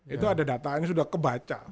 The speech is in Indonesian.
itu ada data yang sudah kebaca